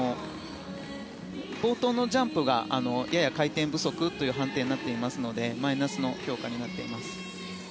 冒頭のジャンプがやや回転不足という判定になっていますのでマイナスの評価になっています。